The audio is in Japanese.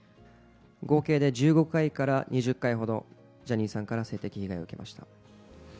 合計で１５回から２０回ほど、ジャニーさんから性的被害を受けました。